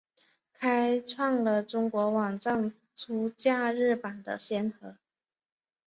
开创了中国网站出假日版的先河。